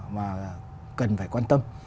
mà cần phải quan tâm